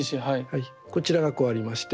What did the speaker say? こちらがこうありまして。